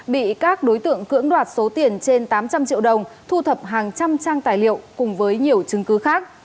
bị các đối tượng cưỡng đoạt số tiền trên tám trăm linh triệu đồng thu thập hàng trăm trang tài liệu cùng với nhiều chứng cứ khác